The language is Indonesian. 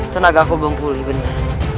tenagaku belum pulih benar